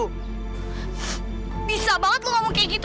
harusnya kamu berbuat baik sama dia bukan jahat kayak gitu